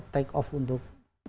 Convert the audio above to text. take off untuk